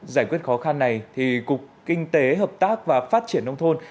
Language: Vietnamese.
giải quyết khó khăn này cục kinh tế hợp tác và phát triển nông thôn